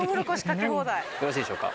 よろしいでしょうか。